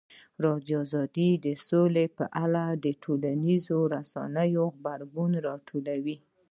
ازادي راډیو د سوله په اړه د ټولنیزو رسنیو غبرګونونه راټول کړي.